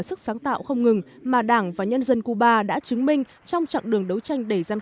sức sáng tạo không ngừng mà đảng và nhân dân cuba đã chứng minh trong chặng đường đấu tranh đầy gian